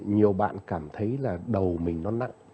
nhiều bạn cảm thấy là đầu mình nó nặng